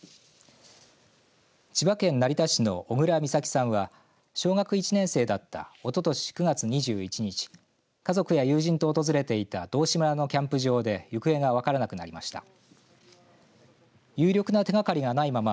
千葉県成田市の小倉美咲さんは小学１年生だったおととし９月２１日家族や友人と訪れていた道志村のキャンプ場で行方が分からなくなりました。